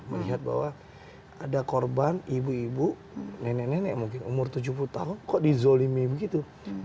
melihat bahwa ada korban ibu ibu nenek nenek mungkin umur tujuh puluh tahun kok dizolimi begitu